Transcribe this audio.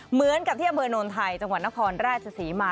เหมือนกับที่อำเภอโนนไทยจังหวัดนครราชศรีมา